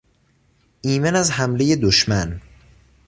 ایمن از حملهی دشمن